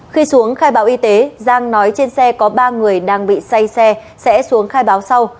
khi xuống khai báo y tế giang nói trên xe có ba người đang bị say xe sẽ xuống khai báo sau